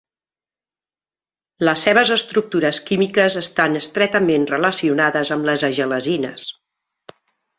Les seves estructures químiques estan estretament relacionades amb les agelasines.